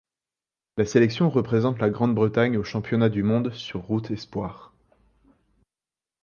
La sélection représente la Grande-Bretagne aux championnats du monde sur route espoirs.